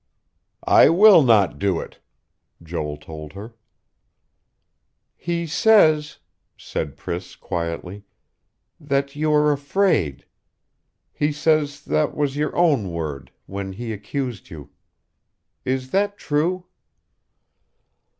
"I will not do it," Joel told her. "He says," said Priss quietly, "that you are afraid. He says that was your own word ... when he accused you. Is that true?"